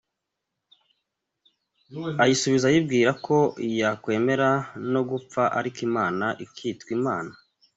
ayisubiza ayibwira ko yakwemera no gupfa ariko Imana ikitwa Imana.